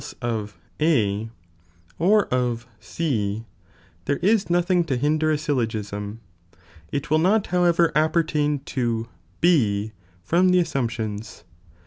137 clw of A, or of C, there is nothing to hinder a syllogism, it will not liowever appcrtaii) to B ' from the assumptiona.